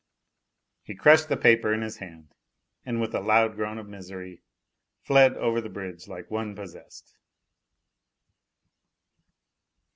He crushed the paper in his hand and, with a loud groan, of misery, fled over the bridge like one possessed.